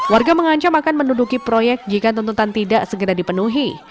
warga mengancam akan menduduki proyek jika tuntutan tidak segera dipenuhi